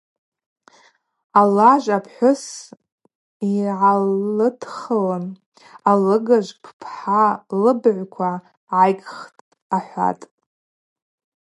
Алажв апхӏвыс йгӏалыдххылын – Алыгажв бпхӏа лыбыгӏвква гӏайгхитӏ, – ахӏватӏ.